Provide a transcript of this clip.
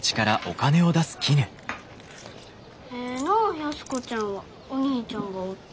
安子ちゃんはお兄ちゃんがおって。